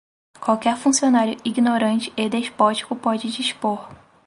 qualquer funcionário ignorante e despótico pode dispor